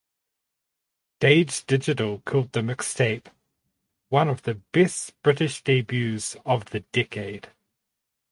Dazed Digital called the mixtape "one of the best British debuts of the decade".